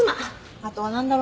あとは何だろな。